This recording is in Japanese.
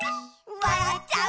「わらっちゃう」